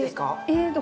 えっと